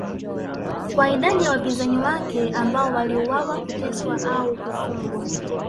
kwa idadi ya wapinzani wake ambao waliuawa kuteswa au kufungwa